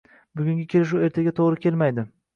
Bugungi kelishuv ertaga to‘g‘ri kelmaydi.